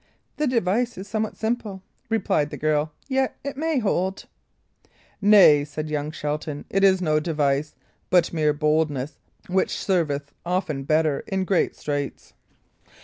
"The device is somewhat simple," replied the girl, "yet it may hold." "Nay," said young Shelton, "it is no device, but mere boldness, which serveth often better in great straits."